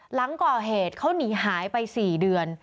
หลังก่อเหตุเขาหนีหายไป๔เดือน